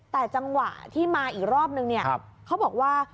แต่จังหวะที่มาอีกรอบนึงเนี่ยเขาบอกว่า